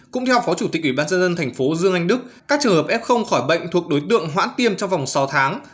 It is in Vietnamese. cũng theo phó chủ tịch ubnd tp dương anh đức các trường hợp f khỏi bệnh thuộc đối tượng hoãn tiêm trong vòng sáu tháng